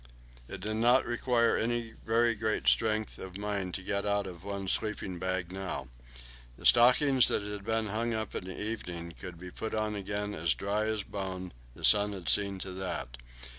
It did not require any very great strength of mind to get out of one's sleeping bag now. The stockings that had been hung up in the evening could be put on again as dry as a bone; the sun had seen to that.